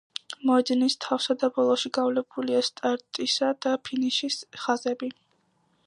მოედნის თავსა და ბოლოში გავლებულია სტარტისა და ფინიშის ხაზები.